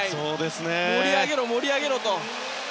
盛り上げろ盛り上げろと。